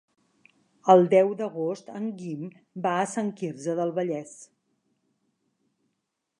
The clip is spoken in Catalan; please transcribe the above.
El deu d'agost en Guim va a Sant Quirze del Vallès.